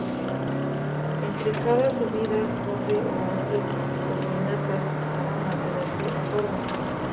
Entre cada subida, corre o hace caminatas para mantenerse en forma.